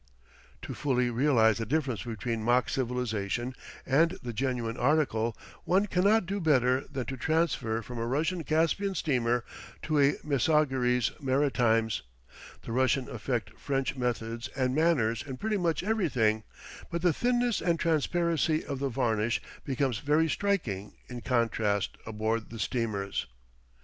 To fully realize the difference between mock civilization and the genuine article, one cannot do better than to transfer from a Russian Caspian steamer to a Messageries Maritimes. The Russians affect French methods and manners in pretty much everything; but the thinness and transparency of the varnish becomes very striking in contrast aboard the steamers.